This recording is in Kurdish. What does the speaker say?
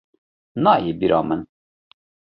Nayê bîra min!